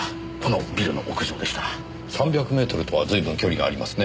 ３００メートルとは随分距離がありますね。